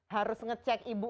harus ngecek ibu